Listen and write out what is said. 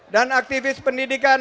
dan aktivis pendidikan